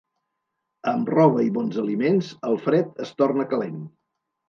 Amb roba i bons aliments el fred es torna calent.